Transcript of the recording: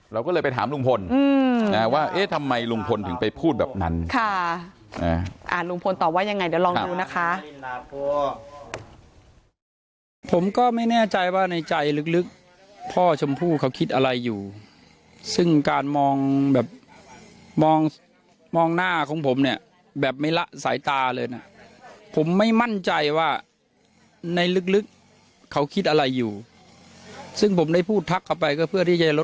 เราก็เลยไปถามลุงพลว่าเอ๊ะทำไมลุงพลถึงไปพูดแบบนั้น